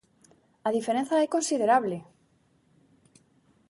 ¡A diferenza é considerable!